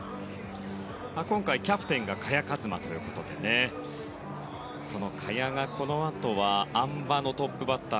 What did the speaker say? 今回、キャプテンが萱和磨ということで萱が、このあとはあん馬のトップバッター。